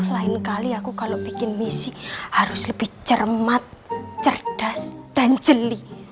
lain kali aku kalau bikin misi harus lebih cermat cerdas dan jeli